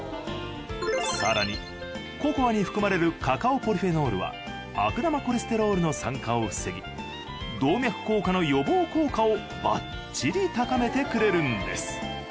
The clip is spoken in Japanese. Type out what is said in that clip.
更にココアに含まれるカカオポリフェノールは悪玉コレステロールの酸化を防ぎ動脈硬化の予防効果をバッチリ高めてくれるんです。